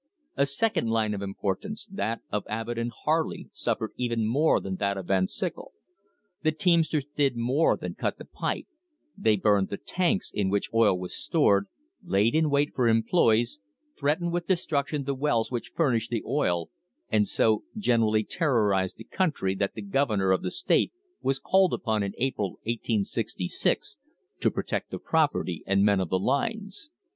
A second line of importance, that of Abbott and Harley, suffered even more than that of Van Syckel. The teamsters did more than cut the pipe; they burned the tanks in which oil was stored, laid in wait for employees, threatened with destruction the wells which furnished the oil, and so generally terrorised the country that the governor of the state was called upon in April, 1866, to protect the property and men of the lines.